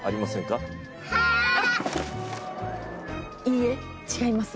いいえ違います。